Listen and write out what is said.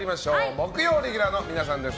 木曜レギュラーの皆さんです。